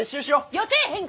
予定変更！